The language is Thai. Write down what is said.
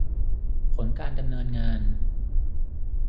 ผลการดำเนินงาน